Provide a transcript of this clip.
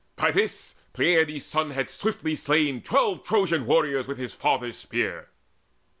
By this Peleides' son had swiftly slain Twelve Trojan warriors with his father's spear.